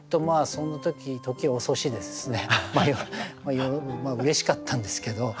その時時遅しですしねまあうれしかったんですけど。